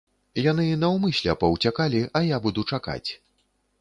Яны наўмысля паўцякалі, а я буду чакаць.